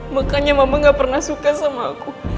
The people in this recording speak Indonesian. makanya mama gak pernah suka sama aku